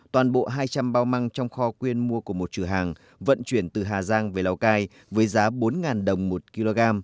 toàn bộ hai trăm linh bao măng trong kho quyên mua của một chủ hàng vận chuyển từ hà giang về lào cai với giá bốn đồng một kg